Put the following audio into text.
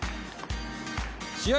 試合